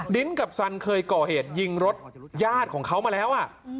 กับสันเคยก่อเหตุยิงรถญาติของเขามาแล้ว